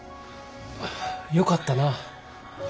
よかったなぁ。